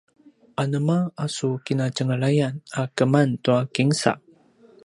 anema a su kinatjenglayan a keman tua kinsa?